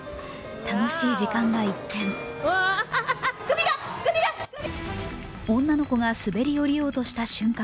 楽しい時間が一転女の子が滑り降りようとした瞬間